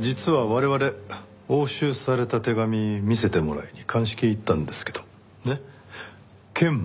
実は我々押収された手紙見せてもらいに鑑識へ行ったんですけどねけんもほろろ。